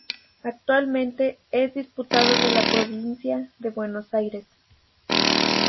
Actualmente, es diputado de la Provincia de Buenos Aires.